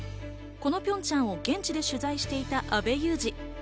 このピョンチャンを現地で取材していた阿部祐二。